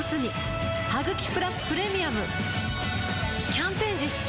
キャンペーン実施中